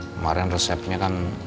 kemarin resepnya kan